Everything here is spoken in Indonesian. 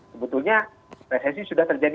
sebetulnya resesi sudah terjadi